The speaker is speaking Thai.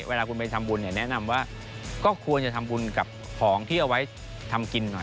เวลาคุณไปทำบุญเนี่ยแนะนำว่าก็ควรจะทำบุญกับของที่เอาไว้ทำกินหน่อย